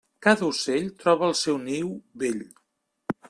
Cada ocell troba el seu niu bell.